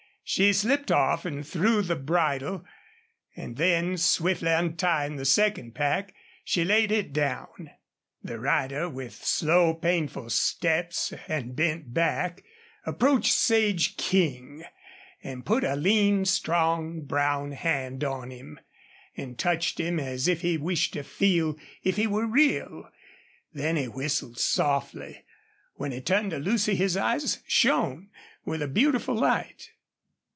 She slipped off and threw the bridle, and then, swiftly untying the second pack, she laid it down. The rider, with slow, painful steps and bent back, approached Sage King and put a lean, strong, brown hand on him, and touched him as if he wished to feel if he were real. Then he whistled softly. When he turned to Lucy his eyes shone with a beautiful light.